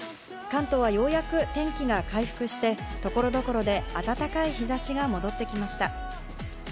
関東はようやく天気が回復して、所々で暖かい日差しが戻ってきました。